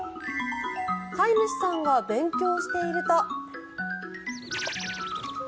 飼い主さんが勉強していると。